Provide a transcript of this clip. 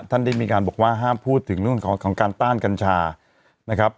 ท่านได้มีการบอกว่าห้ามพูดถึงเรื่องของการต้านกัญชานะครับ